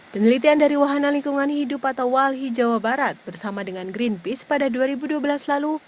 penelitian dari wahana lingkungan hidup atau walhi jawa barat bersama dengan greenpeace pada dua ribu dua belas lalu